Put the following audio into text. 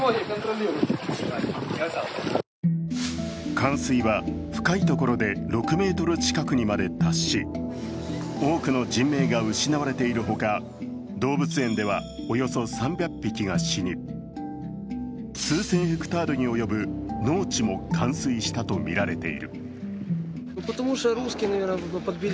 冠水は深いところで６ｍ近くにまで達し、多くの人命が失われているほか、動物園ではおよそ３００匹が死に、数千ヘクタールにおよぶ農地も冠水したとみられている。